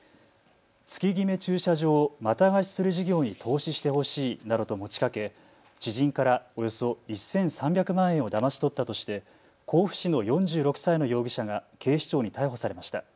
月ぎめ駐車場をまた貸しする事業に投資してほしいなどと持ちかけ知人からおよそ１３００万円をだまし取ったとして甲府市の４６歳の容疑者が警視庁に逮捕されました。